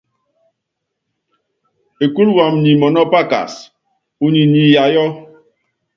Ekúlu wamɛ nyi mɔnɔ́pakas, unyi niiyayɔ́.